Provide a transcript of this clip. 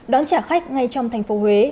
đón trả khách ngay trong thành phố huế